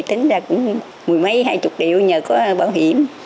thì tính ra cũng mười mấy hai chục triệu nhờ có bảo hiểm